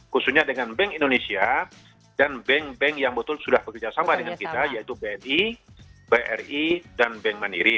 khususnya dengan bank indonesia dan bank bank yang betul sudah bekerjasama dengan kita yaitu bni bri dan bank mandiri